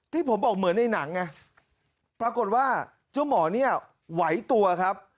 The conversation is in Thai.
ที่ผมบอกเหมือนในหนังไงปรากฏว่าเจ้าหมอเนี่ยไหวตัวครับ